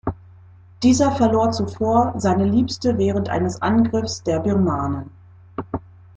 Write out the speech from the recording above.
Dieser verlor zuvor seine Liebste während eines Angriffs der Birmanen.